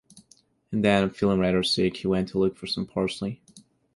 And then, feeling rather sick, he went to look for some parsley.